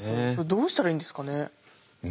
どうしたらいいんですかね？